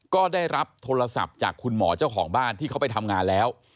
ก็ได้รับโทรศัพท์จากคุณหมอเจ้าของบ้านที่เขาไปทำงานแล้ว